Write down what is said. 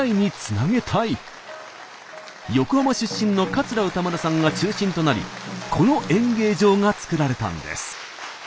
横浜出身の桂歌丸さんが中心となりこの演芸場が作られたんです。